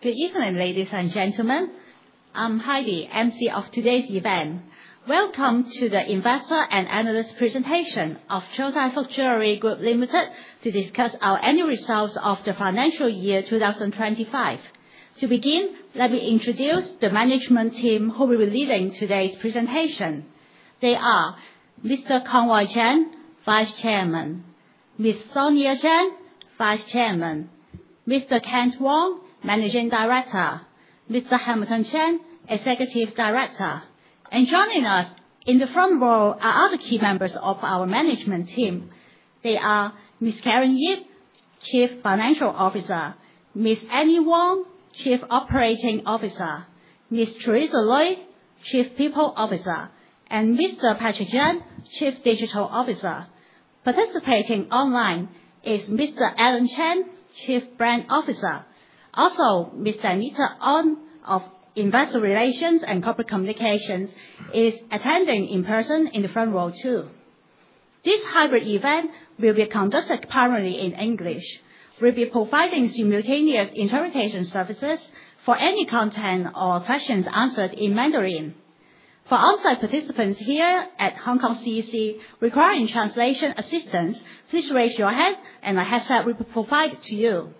Good evening, ladies and gentlemen. I'm Heidi, MC of today's event. Welcome to the Investor and Analyst Presentation of Chow Tai Fook Jewellery Group Limited to discuss our annual results of the financial year 2025. To begin, let me introduce the management team who will be leading today's presentation. They are Mr. Conroy Cheng, Vice Chairman; Ms. Sonia Cheng, Vice Chairman; Mr. Kent Wong, Managing Director; Mr. Hamilton Cheng, Executive Director. Joining us in the front row are other key members of our management team. They are Ms. Karen Yip, Chief Financial Officer; Ms. Annie Wong, Chief Operating Officer; Ms. Theresa Loi, Chief People Officer; and Mr. Patrick Cheng, Chief Digital Officer. Participating online is Mr. Alan Cheng, Chief Brand Officer. Also, Ms. Danita On of Investor Relations and Corporate Communications is attending in person in the front row too. This hybrid event will be conducted primarily in English. We'll be providing simultaneous interpretation services for any content or questions answered in Mandarin. For on-site participants here at Hong Kong CEC requiring translation assistance, please raise your hand, and a headset will be provided to you.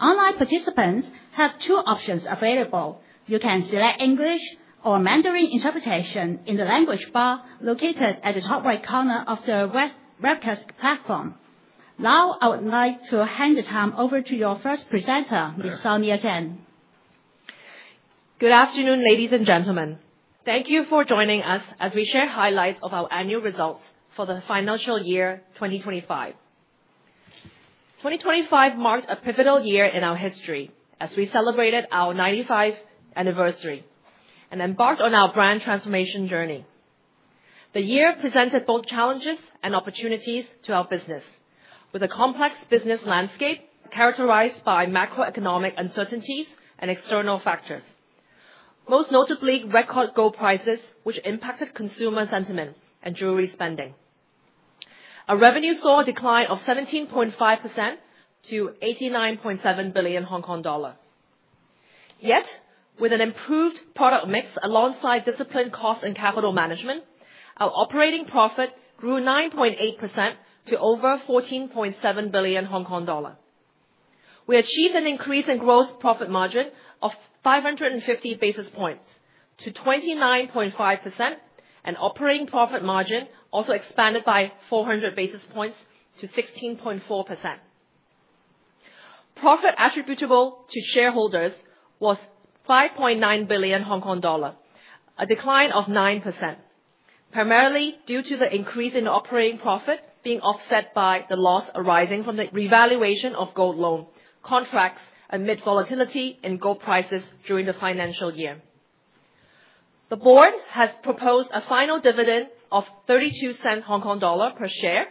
Online participants have two options available. You can select English or Mandarin interpretation in the language bar located at the top right corner of the webcast platform. Now, I would like to hand the time over to your first presenter, Ms. Sonia Cheng. Good afternoon, ladies and gentlemen. Thank you for joining us as we share highlights of our annual results for the financial year 2025. 2025 marked a pivotal year in our history as we celebrated our 95th Anniversary and embarked on our brand transformation journey. The year presented both challenges and opportunities to our business, with a complex business landscape characterized by macroeconomic uncertainties and external factors, most notably record gold prices, which impacted consumer sentiment and jewelry spending. Our revenue saw a decline of 17.5% to 89.7 billion Hong Kong dollar. Yet, with an improved product mix alongside disciplined cost and capital management, our operating profit grew 9.8% to over 14.7 billion Hong Kong dollar. We achieved an increase in gross profit margin of 550 basis points to 29.5%, and operating profit margin also expanded by 400 basis points to 16.4%. Profit attributable to shareholders was 5.9 billion Hong Kong dollar, a decline of 9%, primarily due to the increase in operating profit being offset by the loss arising from the revaluation of gold loan contracts amid volatility in gold prices during the financial year. The board has proposed a final dividend of 0.32 per share,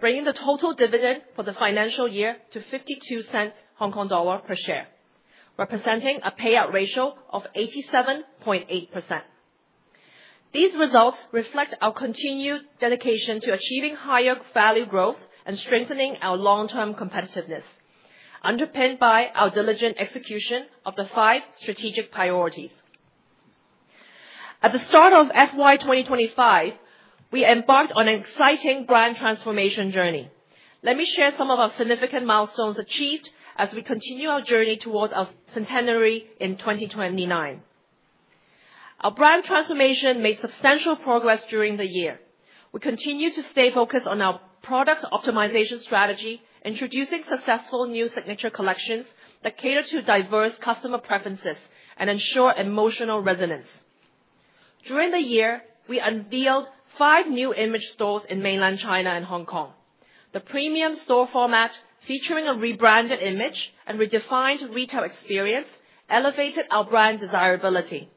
bringing the total dividend for the financial year to 0.52 per share, representing a payout ratio of 87.8%. These results reflect our continued dedication to achieving higher value growth and strengthening our long-term competitiveness, underpinned by our diligent execution of the five strategic priorities. At the start of FY 2025, we embarked on an exciting brand transformation journey. Let me share some of our significant milestones achieved as we continue our journey towards our centenary in 2029. Our brand transformation made substantial progress during the year. We continue to stay focused on our product optimization strategy, introducing successful new signature collections that cater to diverse customer preferences and ensure emotional resonance. During the year, we unveiled five new image stores in mainland China and Hong Kong. The premium store format, featuring a rebranded image and redefined retail experience, elevated our brand desirability,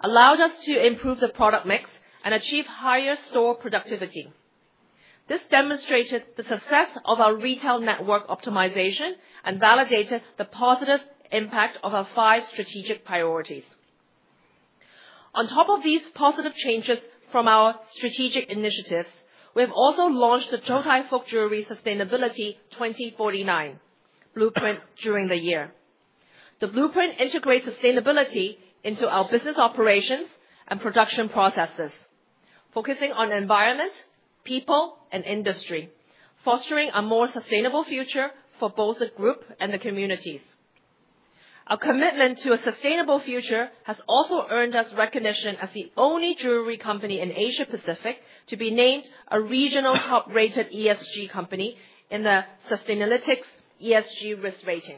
allowed us to improve the product mix and achieve higher store productivity. This demonstrated the success of our retail network optimization and validated the positive impact of our five strategic priorities. On top of these positive changes from our strategic initiatives, we have also launched the Chow Tai Fook Jewellery Sustainability 2049 blueprint during the year. The blueprint integrates sustainability into our business operations and production processes, focusing on environment, people, and industry, fostering a more sustainable future for both the group and the communities. Our commitment to a sustainable future has also earned us recognition as the only jewelry company in Asia-Pacific to be named a regional top-rated ESG company in the Sustainalytics ESG Risk Rating.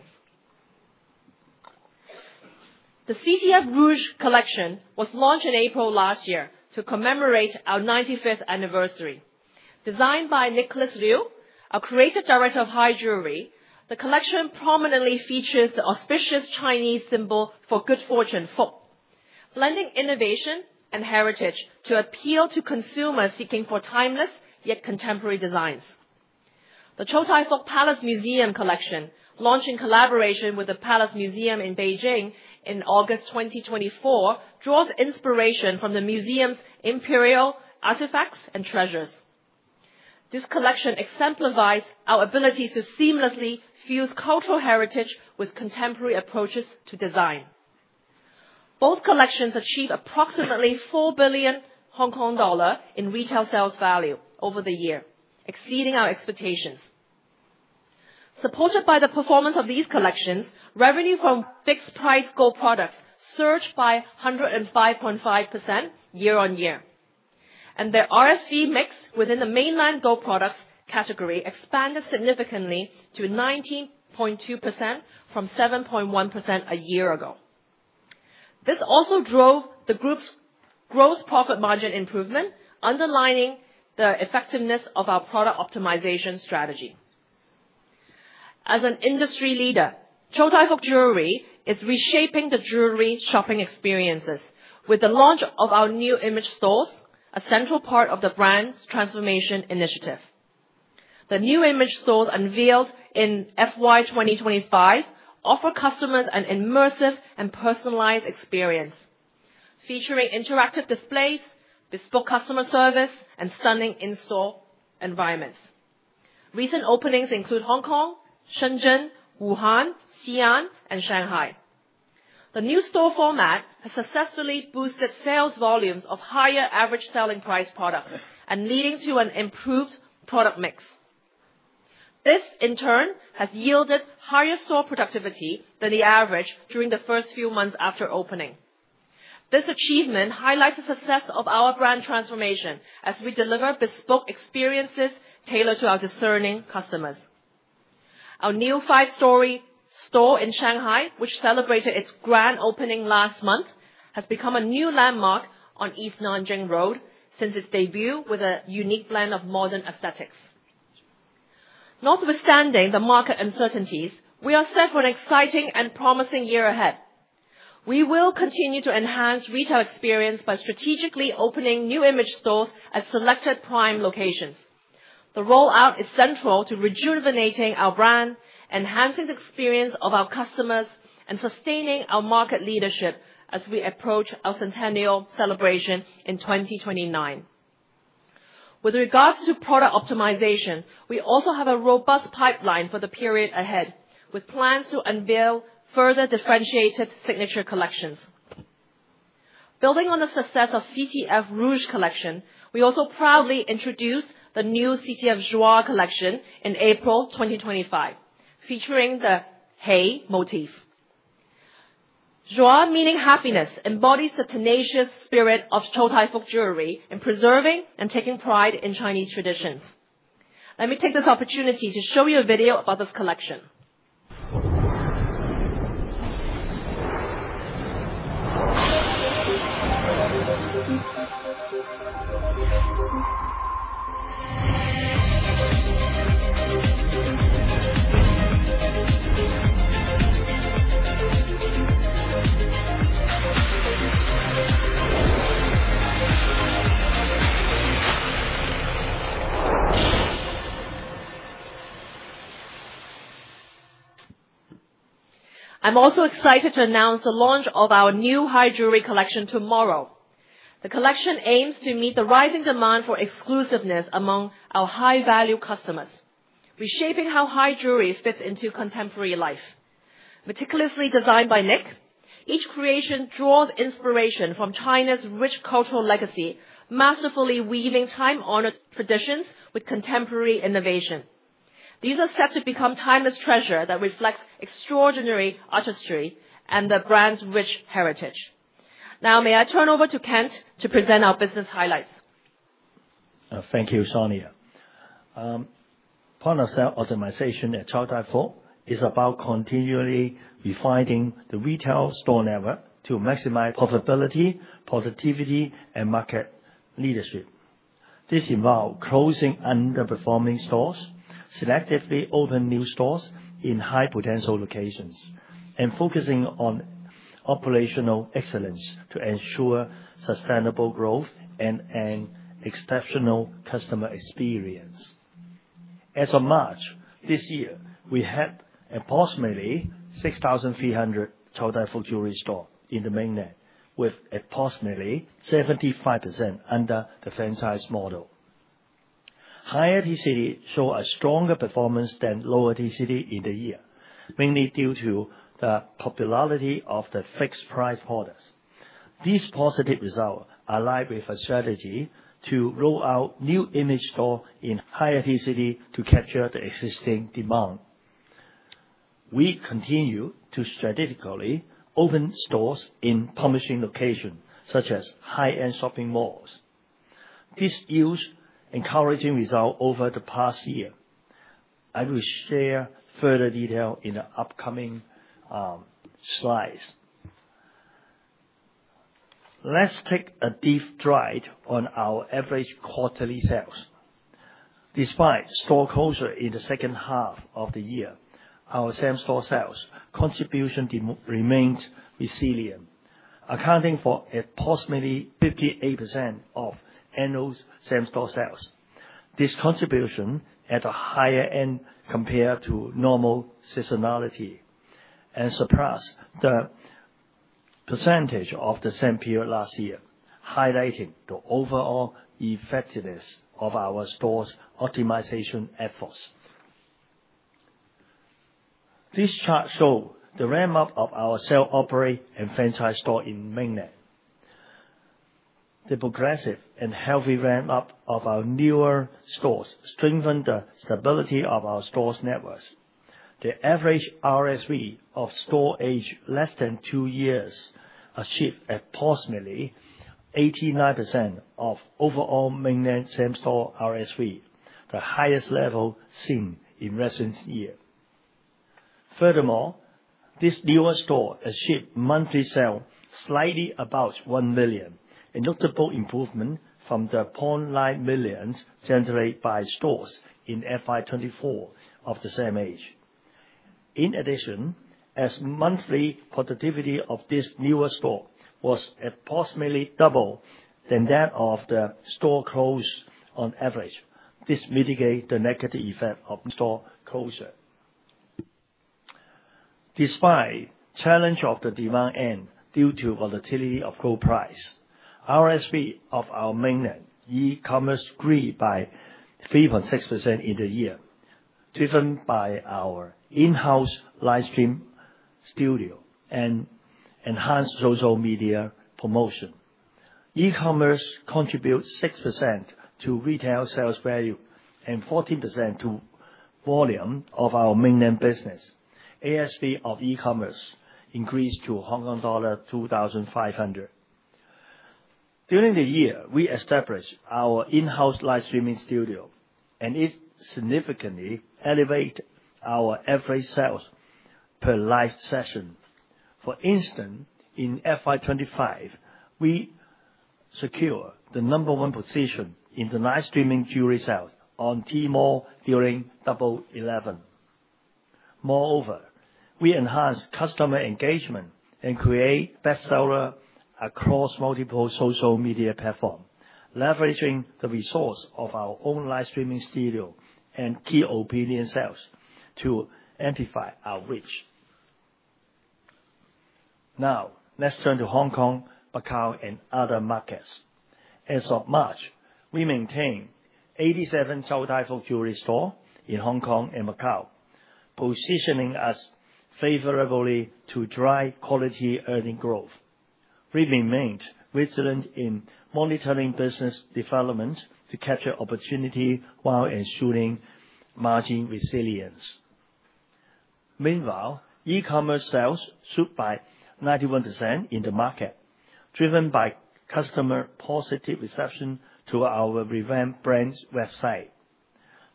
The CTF Rouge Collection was launched in April last year to commemorate our 95th anniversary. Designed by Nicholas Liu, our Creative Director of Hai Jewellery, the collection prominently features the auspicious Chinese symbol for good fortune, Fuk, blending innovation and heritage to appeal to consumers seeking timeless yet contemporary designs. The Chow Tai Fook Palace Museum Collection, launched in collaboration with the Palace Museum in Beijing in August 2024, draws inspiration from the museum's imperial artifacts and treasures. This collection exemplifies our ability to seamlessly fuse cultural heritage with contemporary approaches to design. Both collections achieved approximately 4 billion Hong Kong dollar in retail sales value over the year, exceeding our expectations. Supported by the performance of these collections, revenue from fixed-price gold products surged by 105.5% year-on-year, and their RSV mix within the mainland gold products category expanded significantly to 19.2% from 7.1% a year ago. This also drove the group's gross profit margin improvement, underlining the effectiveness of our product optimization strategy. As an industry leader, Chow Tai Fook Jewellery is reshaping the jewelry shopping experiences with the launch of our new image stores, a central part of the brand's transformation initiative. The new image stores unveiled in FY2025 offer customers an immersive and personalized experience, featuring interactive displays, bespoke customer service, and stunning in-store environments. Recent openings include Hong Kong, Shenzhen, Wuhan, Xi'an, and Shanghai. The new store format has successfully boosted sales volumes of higher average selling price products and led to an improved product mix. This, in turn, has yielded higher store productivity than the average during the first few months after opening. This achievement highlights the success of our brand transformation as we deliver bespoke experiences tailored to our discerning customers. Our new five-story store in Shanghai, which celebrated its grand opening last month, has become a new landmark on East Nanjing Road since its debut with a unique blend of modern aesthetics. Notwithstanding the market uncertainties, we are set for an exciting and promising year ahead. We will continue to enhance retail experience by strategically opening new image stores at selected prime locations. The rollout is central to rejuvenating our brand, enhancing the experience of our customers, and sustaining our market leadership as we approach our centennial celebration in 2029. With regards to product optimization, we also have a robust pipeline for the period ahead, with plans to unveil further differentiated signature collections. Building on the success of CTF Rouge Collection, we also proudly introduced the new CTF Joie Collection in April 2025, featuring the Hei motif. Joie, meaning happiness, embodies the tenacious spirit of Chow Tai Fook Jewellery in preserving and taking pride in Chinese traditions. Let me take this opportunity to show you a video about this collection. I'm also excited to announce the launch of our new Hai Jewellery Collection tomorrow. The collection aims to meet the rising demand for exclusiveness among our high-value customers, reshaping how Hai Jewellery fits into contemporary life. Meticulously designed by Nicholas Liu, each creation draws inspiration from China's rich cultural legacy, masterfully weaving time-honored traditions with contemporary innovation. These are set to become timeless treasures that reflect extraordinary artistry and the brand's rich heritage. Now, may I turn over to Kent to present our business highlights? Thank you, Sonia. Partner sales optimization at Chow Tai Fook is about continually refining the retail store network to maximize profitability, productivity, and market leadership. This involves closing underperforming stores, selectively opening new stores in high-potential locations, and focusing on operational excellence to ensure sustainable growth and an exceptional customer experience. As of March this year, we had approximately 6,300 Chow Tai Fook Jewellery stores in the mainland, with approximately 75% under the franchise model. Higher TCD showed a stronger performance than lower TCD in the year, mainly due to the popularity of the fixed-price products. These positive results align with our strategy to roll out new image stores in higher TCD to capture the existing demand. We continue to strategically open stores in promising locations, such as high-end shopping malls. This yields encouraging results over the past year. I will share further details in the upcoming slides. Let's take a deep drive on our average quarterly sales. Despite store closures in the second half of the year, our same-store sales contribution remains resilient, accounting for approximately 58% of annual same-store sales. This contribution is at a higher end compared to normal seasonality and surpasses the percentage of the same period last year, highlighting the overall effectiveness of our store's optimization efforts. This chart shows the ramp-up of our sales operating and franchise stores in mainland. The progressive and healthy ramp-up of our newer stores strengthens the stability of our store's networks. The average RSV of stores aged less than two years achieved approximately 89% of overall mainland same-store RSV, the highest level seen in recent years. Furthermore, these newer stores achieved monthly sales slightly above 1 million, a notable improvement from the 0.9 million generated by stores in FY 2024 of the same age. In addition, as monthly productivity of these newer stores was approximately double that of the store closed on average, this mitigates the negative effect of store closures. Despite the challenge of the demand end due to volatility of gold price, RSV of our mainland e-commerce grew by 3.6% in the year, driven by our in-house livestream studio and enhanced social media promotion. E-commerce contributed 6% to retail sales value and 14% to volume of our mainland business. ASV of e-commerce increased to Hong Kong dollar 2,500. During the year, we established our in-house livestreaming studio, and it significantly elevated our average sales per live session. For instance, in FY 2025, we secured the number one position in the livestreaming jewellery sales on Tmall during COVID-19. Moreover, we enhanced customer engagement and created best sellers across multiple social media platforms, leveraging the resources of our own livestreaming studio and key opinion sales to amplify our reach. Now, let's turn to Hong Kong, Macau, and other markets. As of March, we maintained 87 Chow Tai Fook Jewellery stores in Hong Kong and Macau, positioning us favorably to drive quality earning growth. We remained vigilant in monitoring business developments to capture opportunities while ensuring margin resilience. Meanwhile, e-commerce sales surged by 91% in the market, driven by customer positive reception to our revamped brand's website.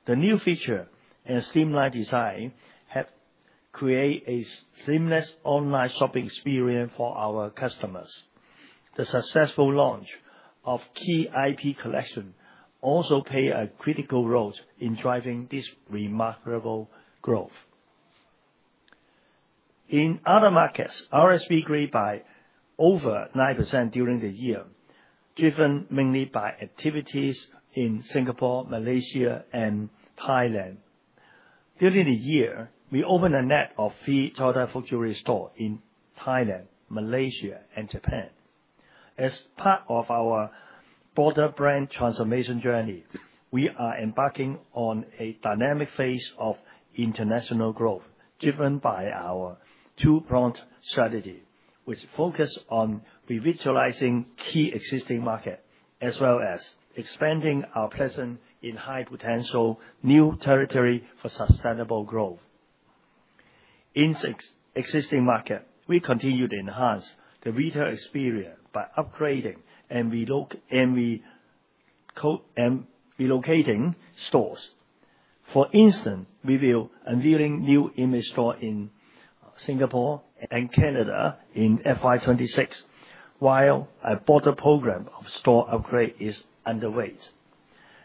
The new feature and streamlined design have created a seamless online shopping experience for our customers. The successful launch of Ki-IP Collection also played a critical role in driving this remarkable growth. In other markets, RSV grew by over 9% during the year, driven mainly by activities in Singapore, Malaysia, and Thailand. During the year, we opened a net of three Chow Tai Fook Jewellery stores in Thailand, Malaysia, and Japan. As part of our broader brand transformation journey, we are embarking on a dynamic phase of international growth, driven by our two-pronged strategy, which focuses on revitalizing key existing markets as well as expanding our presence in high-potential new territories for sustainable growth. In existing markets, we continue to enhance the retail experience by upgrading and relocating stores. For instance, we will unveil new image stores in Singapore and Canada in FY2026, while a broader program of store upgrades is underway.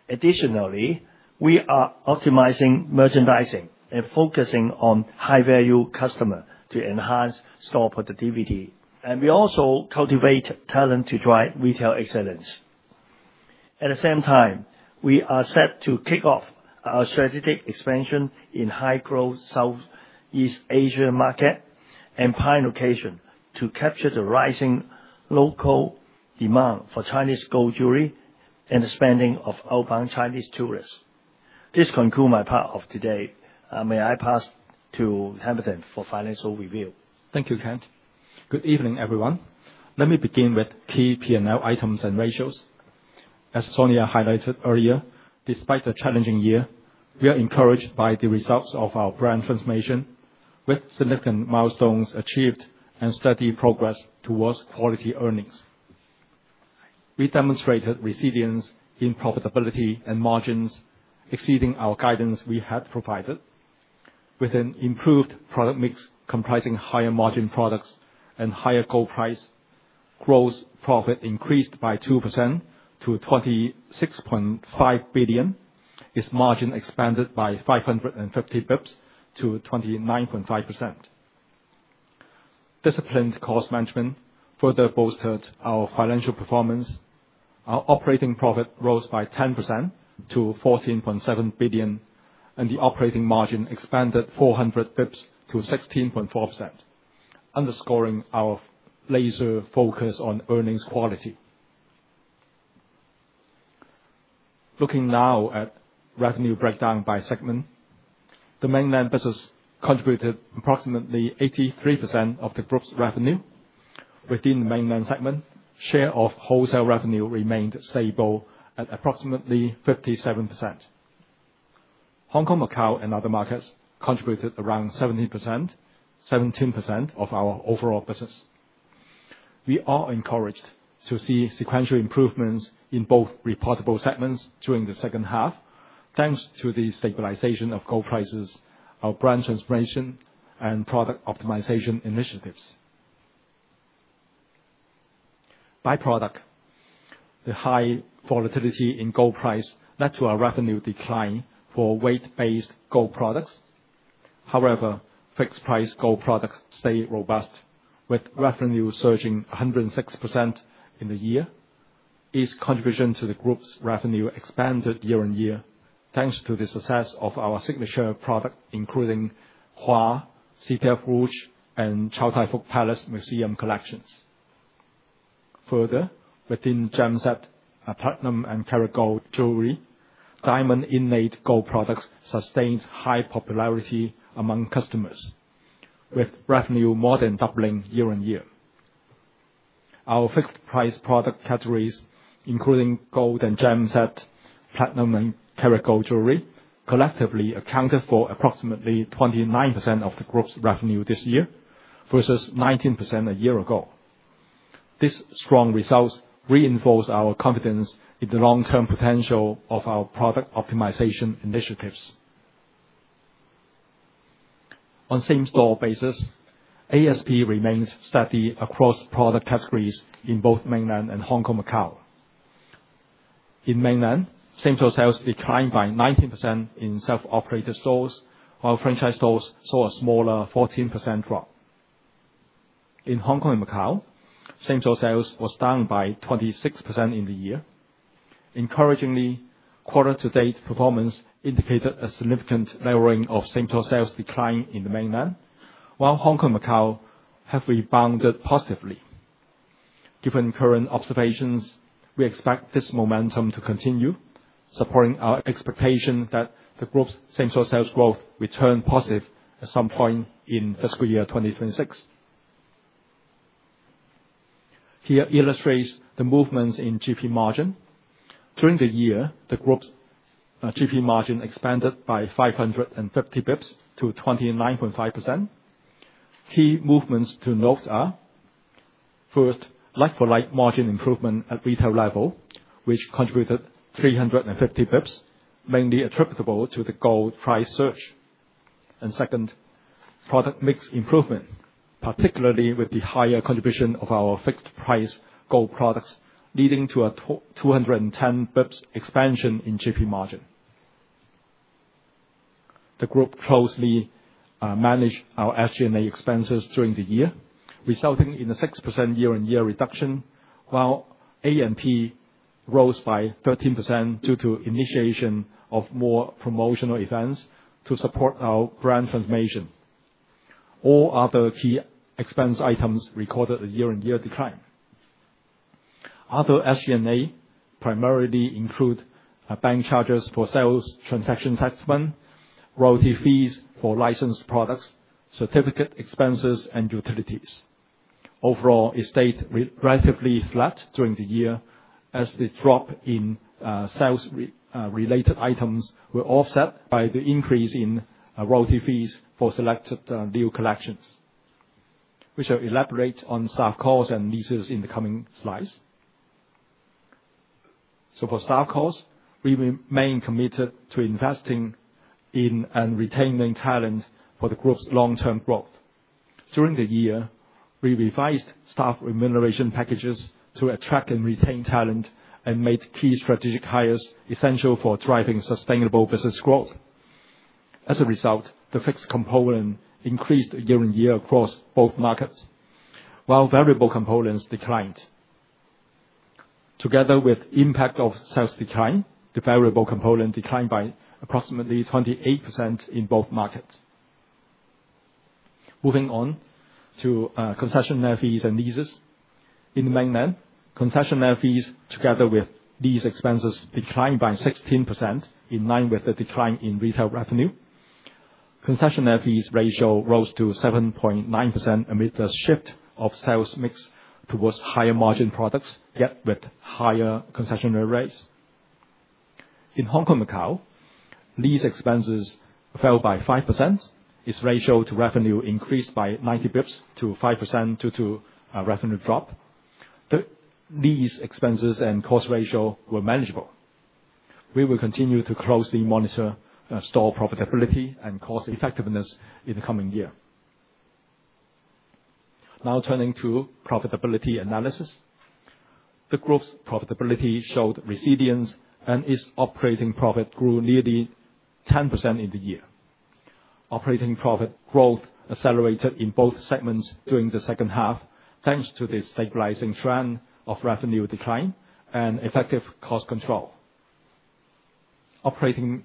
Additionally, we are optimizing merchandising and focusing on high-value customers to enhance store productivity, and we also cultivate talent to drive retail excellence. At the same time, we are set to kick off our strategic expansion in high-growth Southeast Asian markets and prime locations to capture the rising local demand for Chinese gold jewellery and the spending of outbound Chinese tourists. This concludes my part of today. May I pass to Hamilton for financial review? Thank you, Kent. Good evening, everyone. Let me begin with key P&L items and ratios. As Sonia highlighted earlier, despite the challenging year, we are encouraged by the results of our brand transformation, with significant milestones achieved and steady progress towards quality earnings. We demonstrated resilience in profitability and margins exceeding our guidance we had provided. With an improved product mix comprising higher-margin products and higher gold price, gross profit increased by 2% to 26.5 billion. Its margin expanded by 550 basis points to 29.5%. Disciplined cost management further boosted our financial performance. Our operating profit rose by 10% to 14.7 billion, and the operating margin expanded 400 basis points to 16.4%, underscoring our laser focus on earnings quality. Looking now at revenue breakdown by segment, the mainland business contributed approximately 83% of the group's revenue. Within the mainland segment, share of wholesale revenue remained stable at approximately 57%. Hong Kong, Macau, and other markets contributed around 17% of our overall business. We are encouraged to see sequential improvements in both reportable segments during the second half, thanks to the stabilization of gold prices, our brand transformation, and product optimization initiatives. By product, the high volatility in gold price led to a revenue decline for weight-based gold products. However, fixed-price gold products stayed robust, with revenue surging 106% in the year. Its contribution to the group's revenue expanded year on year, thanks to the success of our signature products, including Hwa, CTF Rouge, and Chow Tai Fook Palace Museum Collections. Further, within gem-set platinum and carat gold jewellery, diamond inlaid gold products sustained high popularity among customers, with revenue more than doubling year on year. Our fixed-price product categories, including gold and gem-set platinum and carat gold jewellery, collectively accounted for approximately 29% of the group's revenue this year versus 19% a year ago. These strong results reinforce our confidence in the long-term potential of our product optimization initiatives. On same-store basis, ASV remains steady across product categories in both mainland and Hong Kong, Macau. In mainland, same-store sales declined by 19% in self-operated stores, while franchise stores saw a smaller 14% drop. In Hong Kong and Macau, same-store sales was down by 26% in the year. Encouragingly, quarter-to-date performance indicated a significant narrowing of same-store sales decline in the mainland, while Hong Kong and Macau have rebounded positively. Given current observations, we expect this momentum to continue, supporting our expectation that the group's same-store sales growth will turn positive at some point in fiscal year 2026. Here illustrates the movements in GP Margin. During the year, the group's GP Margin expanded by 550 basis points to 29.5%. Key movements to note are: first, light-for-light margin improvement at retail level, which contributed 350 basis points, mainly attributable to the gold price surge. Second, product mix improvement, particularly with the higher contribution of our fixed-price gold products, leading to a 210 basis points expansion in GP Margin. The group closely managed our SG&A expenses during the year, resulting in a 6% year-on-year reduction, while A&P rose by 13% due to initiation of more promotional events to support our brand transformation. All other key expense items recorded a year-on-year decline. Other SG&A primarily include bank charges for sales transaction settlement, royalty fees for licensed products, certificate expenses, and utilities. Overall, it stayed relatively flat during the year, as the drop in sales-related items was offset by the increase in royalty fees for selected new collections. We shall elaborate on staff costs and leases in the coming slides. For staff costs, we remain committed to investing in and retaining talent for the group's long-term growth. During the year, we revised staff remuneration packages to attract and retain talent and made key strategic hires essential for driving sustainable business growth. As a result, the fixed component increased year-on-year across both markets, while variable components declined. Together with the impact of sales decline, the variable component declined by approximately 28% in both markets. Moving on to concessionaire fees and leases. In the mainland, concessionaire fees together with lease expenses declined by 16%, in line with the decline in retail revenue. Concessionaire fees ratio rose to 7.9% amid the shift of sales mix towards higher-margin products, yet with higher concessionaire rates. In Hong Kong, Macau, lease expenses fell by 5%. Its ratio to revenue increased by 90 basis points to 5% due to revenue drop. The lease expenses and cost ratio were manageable. We will continue to closely monitor store profitability and cost effectiveness in the coming year. Now, turning to profitability analysis. The group's profitability showed resilience, and its operating profit grew nearly 10% in the year. Operating profit growth accelerated in both segments during the second half, thanks to the stabilizing trend of revenue decline and effective cost control. Operating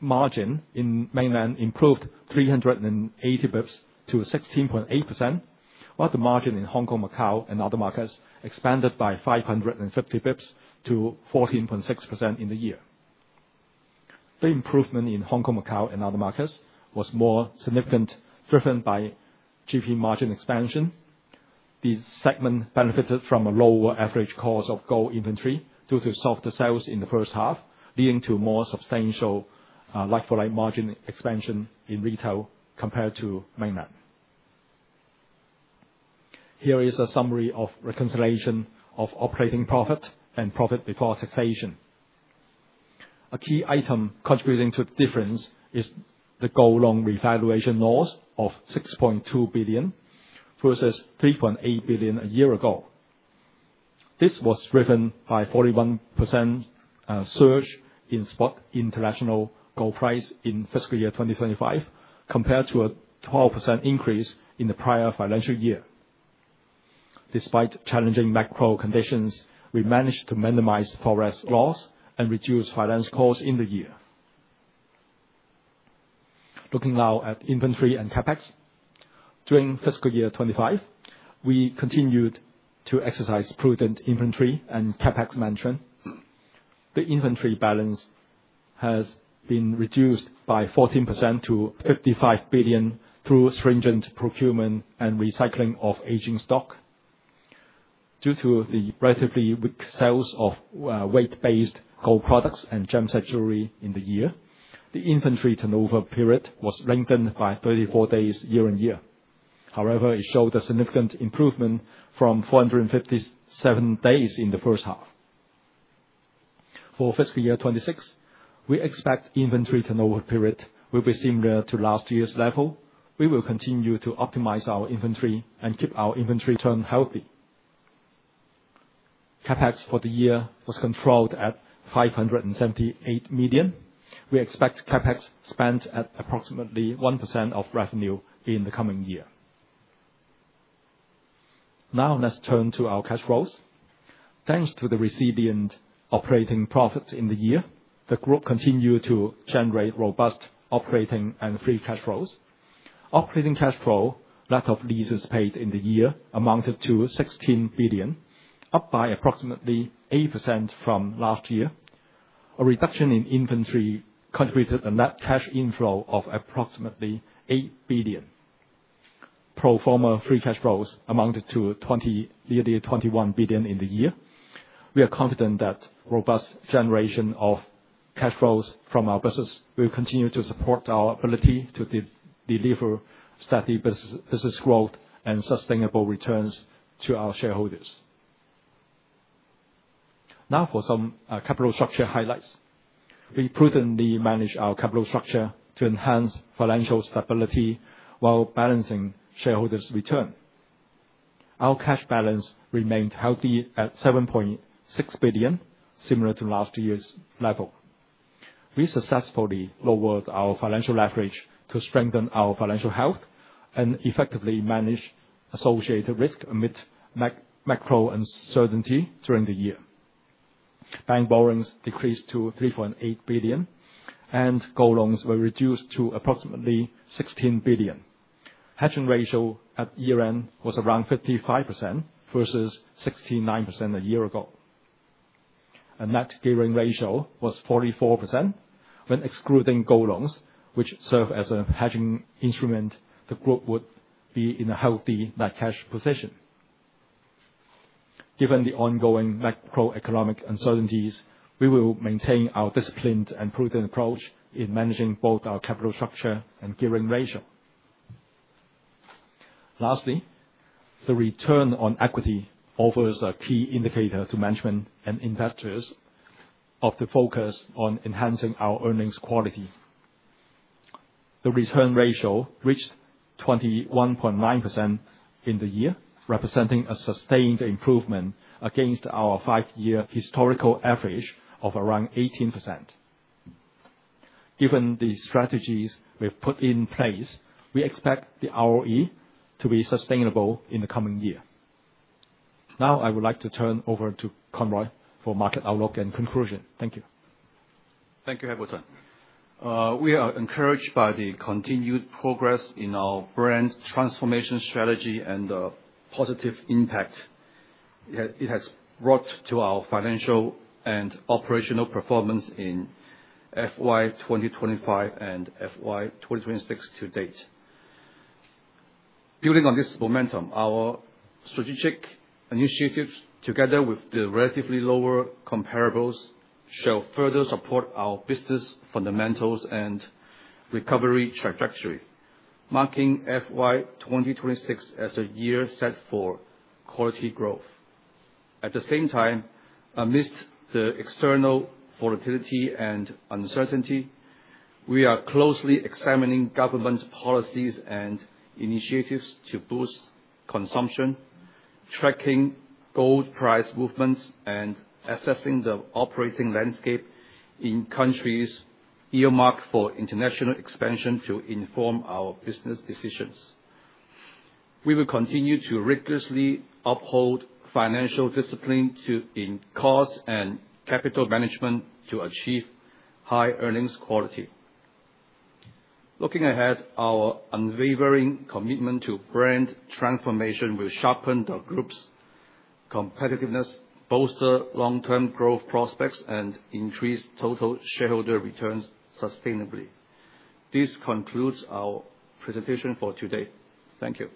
margin in mainland improved 380 basis points to 16.8%, while the margin in Hong Kong, Macau, and other markets expanded by 550 basis points to 14.6% in the year. The improvement in Hong Kong, Macau, and other markets was more significant, driven by GP margin expansion. The segment benefited from a lower average cost of gold inventory due to softer sales in the first half, leading to more substantial like-for-like margin expansion in retail compared to mainland. Here is a summary of reconciliation of operating profit and profit before taxation. A key item contributing to the difference is the gold loan revaluation loss of 6.2 billion versus 3.8 billion a year ago. This was driven by a 41% surge in spot international gold price in fiscal year 2025, compared to a 12% increase in the prior financial year. Despite challenging macro conditions, we managed to minimize forex loss and reduce finance costs in the year. Looking now at inventory and CapEx. During fiscal year 2025, we continued to exercise prudent inventory and CapEx management. The inventory balance has been reduced by 14% to 55 billion through stringent procurement and recycling of aging stock. Due to the relatively weak sales of weight-based gold products and gem-set jewellery in the year, the inventory turnover period was lengthened by 34 days year-on-year. However, it showed a significant improvement from 457 days in the first half. For fiscal year 2026, we expect the inventory turnover period will be similar to last year's level. We will continue to optimize our inventory and keep our inventory turn healthy. CapEx for the year was controlled at 578 million. We expect CapEx spent at approximately 1% of revenue in the coming year. Now, let's turn to our cash flows. Thanks to the resilient operating profits in the year, the group continued to generate robust operating and free cash flows. Operating cash flow net of leases paid in the year amounted to 16 billion, up by approximately 8% from last year. A reduction in inventory contributed a net cash inflow of approximately 8 billion. Pro forma free cash flows amounted to 21 billion in the year. We are confident that robust generation of cash flows from our business will continue to support our ability to deliver steady business growth and sustainable returns to our shareholders. Now, for some capital structure highlights. We prudently managed our capital structure to enhance financial stability while balancing shareholders' return. Our cash balance remained healthy at 7.6 billion, similar to last year's level. We successfully lowered our financial leverage to strengthen our financial health and effectively manage associated risk amid macro uncertainty during the year. Bank borrowings decreased to 3.8 billion, and gold loans were reduced to approximately 16 billion. Hedging ratio at year-end was around 55% versus 69% a year ago. A net gearing ratio was 44%. When excluding gold loans, which serve as a hedging instrument, the group would be in a healthy net cash position. Given the ongoing macroeconomic uncertainties, we will maintain our disciplined and prudent approach in managing both our capital structure and gearing ratio. Lastly, the return on equity offers a key indicator to management and investors of the focus on enhancing our earnings quality. The return ratio reached 21.9% in the year, representing a sustained improvement against our five-year historical average of around 18%. Given the strategies we've put in place, we expect the ROE to be sustainable in the coming year. Now, I would like to turn over to Conroy for market outlook and conclusion. Thank you. Thank you, Hamilton. We are encouraged by the continued progress in our brand transformation strategy and the positive impact it has brought to our financial and operational performance in FY 2025 and FY 2026 to date. Building on this momentum, our strategic initiatives, together with the relatively lower comparables, shall further support our business fundamentals and recovery trajectory, marking FY 2026 as a year set for quality growth. At the same time, amidst the external volatility and uncertainty, we are closely examining government policies and initiatives to boost consumption, tracking gold price movements, and assessing the operating landscape in countries earmarked for international expansion to inform our business decisions. We will continue to rigorously uphold financial discipline in cost and capital management to achieve high earnings quality. Looking ahead, our unwavering commitment to brand transformation will sharpen the group's competitiveness, bolster long-term growth prospects, and increase total shareholder returns sustainably. This concludes our presentation for today. Thank you.